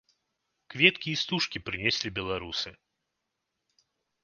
Кветкі і стужкі прынеслі беларусы.